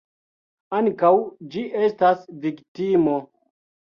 Ankaŭ ĝi estas viktimo.